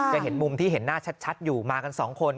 จะเห็นมุมที่เห็นหน้าชัดอยู่มากันสองคน